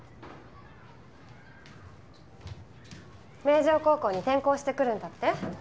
明城高校に転校してくるんだって？